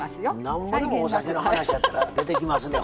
なんぼでもお酒の話やったら出てきますね